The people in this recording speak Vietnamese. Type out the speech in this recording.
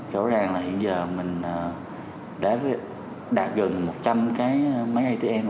rõ ràng là hiện giờ mình đã đạt gần một trăm linh cái máy atm